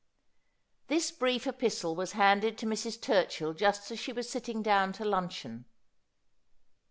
This brief epistle was handed to Mrs. Turchill just as she was sitting down to luncheon.